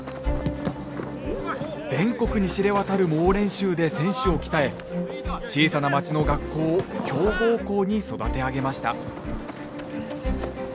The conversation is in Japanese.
全国に知れ渡る猛練習で選手を鍛え小さな町の学校を強豪校に育て上げました。